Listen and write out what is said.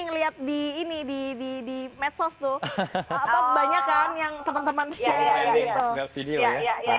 ngelihat di ini di di di medsos tuh apa kebanyakan yang teman teman share video ya